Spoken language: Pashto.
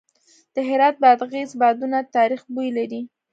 د هرات بادغیس بادونه د تاریخ بوی لري.